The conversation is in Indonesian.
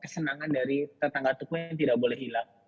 kesenangan dari tetangga tuku yang tidak boleh hilang